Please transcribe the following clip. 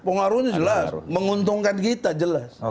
pengaruhnya jelas menguntungkan kita jelas